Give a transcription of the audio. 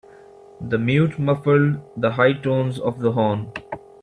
The mute muffled the high tones of the horn.